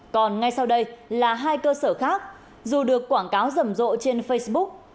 còn ngay sau đây là hai cơ sở khác dù được quảng cáo rầm rộ trên facebook